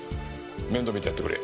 面倒を見てやってくれ。